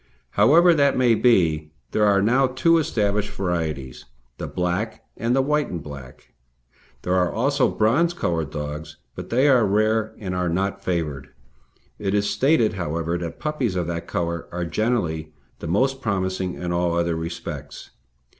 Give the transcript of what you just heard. However that may be, there are now two established varieties, the black and the white and black. There are also bronze coloured dogs, but they are rare and are not favoured. It is stated, however, that puppies of that colour are generally the most promising in all other respects.